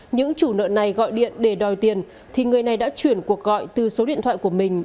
những chủ nợ này gọi điện để đòi tiền thì người này đã chuyển cuộc gọi từ số điện thoại của mình